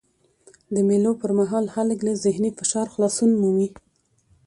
د مېلو پر مهال خلک له ذهني فشار خلاصون مومي.